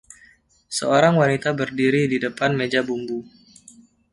Seorang wanita berdiri di depan meja bumbu.